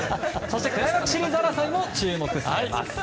クライマックスシリーズ争いも注目です。